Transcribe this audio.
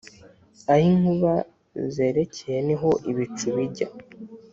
Aho inkuba zerekeye ni ho ibicu bijya.